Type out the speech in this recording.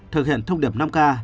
thực hiện thông điệp năm k